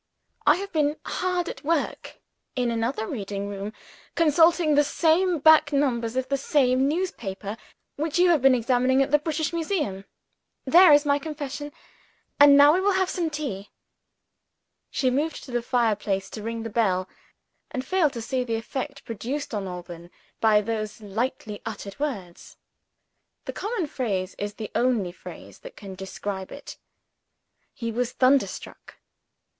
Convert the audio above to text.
I have been hard at work, in another reading room, consulting the same back numbers of the same newspaper, which you have been examining at the British Museum. There is my confession and now we will have some tea." She moved to the fireplace, to ring the bell, and failed to see the effect produced on Alban by those lightly uttered words. The common phrase is the only phrase that can describe it. He was thunderstruck.